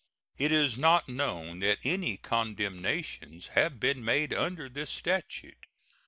It is not known that any condemnations have been made under this statute.